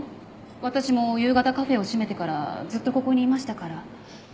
私も夕方カフェを閉めてからずっとここにいましたから。